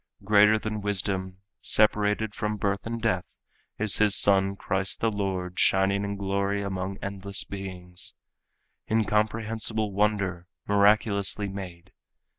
Greater than wisdom, separated from birth and death, Is his son Christ the Lord shining in glory among endless beings. Incomprehensible wonder, miraculously made!